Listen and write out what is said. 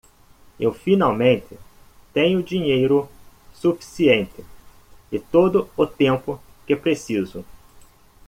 Eu finalmente tenho dinheiro suficiente? e todo o tempo que preciso.